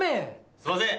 すいません。